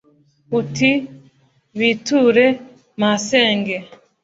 uti " biture masenge ";